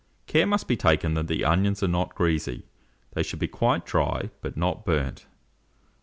Care must be taken that the onions are not greasy: they should be quite dry, but not burnt.